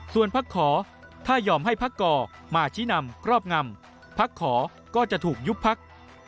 ส่วนพักขอถ้ายอมให้พักก่อมาชี้นำครอบงำพักขอก็จะถูกยุบพัก